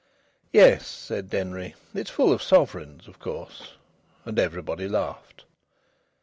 "Yes," said Denry, "it's full of sovereigns, of course." And everybody laughed.